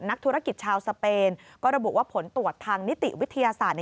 นักธุรกิจชาวสเปนก็ระบุว่าผลตรวจทางนิติวิทยาศาสตร์